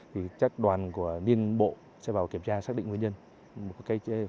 thì chắc đoàn của niên bộ sẽ vào kiểm tra xác định nguyên nhân một cái khoa học chính xác